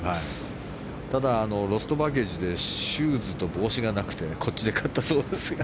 ただロストバケージでシューズと帽子がなくてこっちで買ったそうですが。